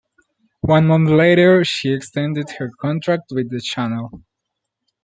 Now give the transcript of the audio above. One month later she extended her contract with the channel.